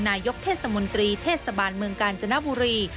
นายกเทศมนตรีเทศบาลเมืองกาญจนบุรี